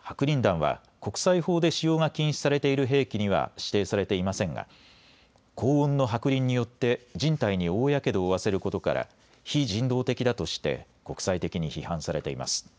白リン弾は国際法で使用が禁止されている兵器には指定されていませんが高温の白リンによって人体に大やけどを負わせることから非人道的だとして国際的に批判されています。